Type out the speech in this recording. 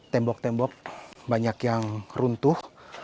tembok tembok banyak yang runtuh